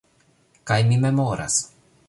Kaj mi memoras...